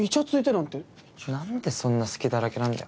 なんでそんな隙だらけなんだよ。